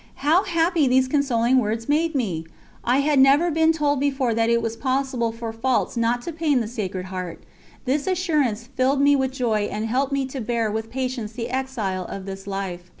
How happy these consoling words made me! I had never been told before that it was possible for faults not to pain the Sacred Heart; this assurance filled me with joy and helped me to bear with patience the exile of this life.